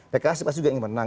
pks juga ingin menang